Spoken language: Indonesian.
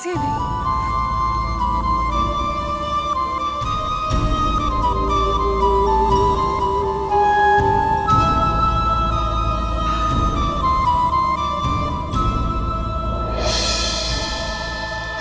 sebaiknya aku berpura pura pingsan saja